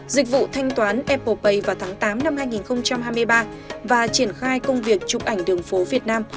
dịch vụ thanh toán appo pay vào tháng tám năm hai nghìn hai mươi ba và triển khai công việc chụp ảnh đường phố việt nam